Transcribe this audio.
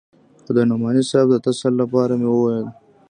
خو د نعماني صاحب د تسل لپاره مې وويل.